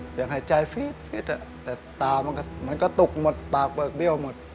เสียงหายใจฟี๊ดอะแต่ตามันก็ตุกหมดตากเปลือกเบี้ยวหมด